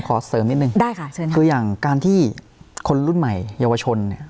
ขอเสริมนิดนึงได้ค่ะเชิญค่ะคืออย่างการที่คนรุ่นใหม่เยาวชนเนี่ย